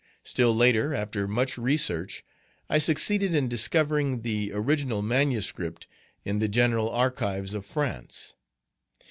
Still later, after much research, I succeeded in discovering the original manuscript in the General Archives of France.